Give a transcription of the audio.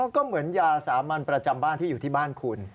ก็เหมือนยาสามัญประจำบ้านที่อยู่ที่บ้านคุณ